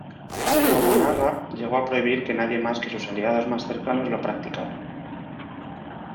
Nobunaga llegó a prohibir que nadie más que sus aliados más cercanos lo practicara.